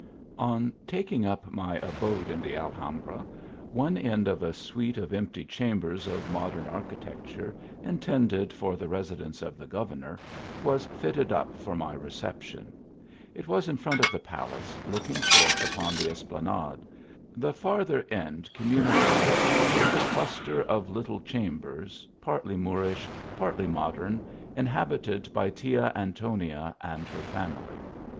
ON taking up my abode in the Alhambra, one end cf a suite of empty chambers of modern architect ure, intended for the residence of the governor, was fitted up for my reception. It was in front of the palace, looking forth upon the esplanade. The farther end communicated with a cluster of lit tle chambers, partly Moorish, partly modern, in habited by Tia Antonia and her family.